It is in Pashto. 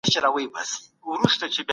چې ژوند ښکلی شي.